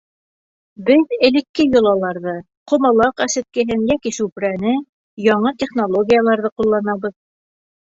— Беҙ элекке йолаларҙы — ҡомалаҡ әсеткеһен йәки сүпрәне, яңы технологияларҙы ҡулланабыҙ.